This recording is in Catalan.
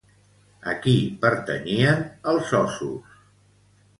A qui pertanyien els ossos?